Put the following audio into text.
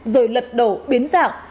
rồi lật đổ biến dạng